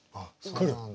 来る。